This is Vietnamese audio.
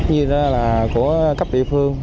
như đó là của cấp địa phương